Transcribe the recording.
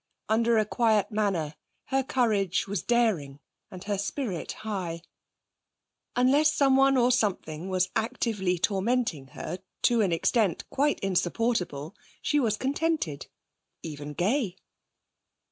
Under a quiet manner her courage was daring and her spirit high. Unless someone or something was actively tormenting her, to an extent quite insupportable, she was contented, even gay.